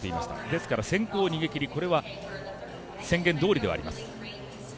ですから先行逃げきりこれは宣言どおりではあります。